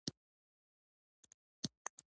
په ناآشنا غږ کې هم درد وي